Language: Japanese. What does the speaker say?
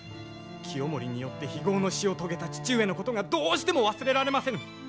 清盛によって非業の死を遂げた父上のことがどうしても忘れられませぬ！